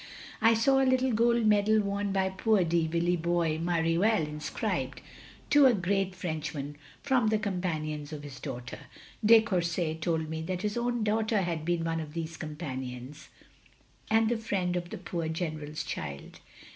I saw a little gold medal worn by poor de Villebois Mareuil inscribed * to a great Frenchman from the companions of his daughter.' De Courset told me that his own daughter had been one of these companions, and the friend of the poor General's child."